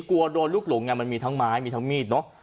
กลัวโดนลูกหลงไงมันมีทั้งไม้มีทั้งมีดเนอะ